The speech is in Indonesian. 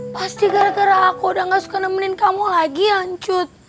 pasti gara gara aku udah gak suka nemenin kamu lagi hancut